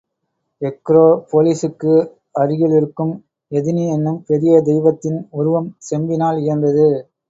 Agro போலிஸுக்கு அருகிலிருக்கும் எதினி என்னும் பெரிய தெய்வத்தின் உருவம் செம்பினால் இயன்றது.